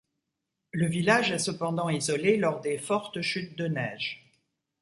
Le village est cependant isolé lors des fortes chutes de neige.